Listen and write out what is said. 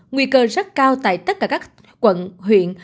nguy cơ rất cao tại tất cả các quận huyện